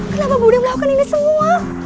kenapa budi melakukan ini semua